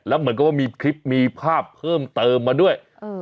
แล้วเหมือนกับว่ามีคลิปมีภาพเพิ่มเติมมาด้วย